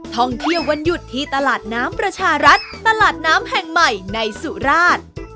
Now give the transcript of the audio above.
ท่องเที่ยววันหยุดที่ตลาดน้ำประชารัฐตลาดน้ำแห่งใหม่ในสุราช